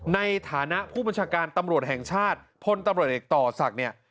ในฐานะผู้บัญชาการตำรวจแห่งชาติพลตำรวจเอกต่อศักดิ์เนี่ย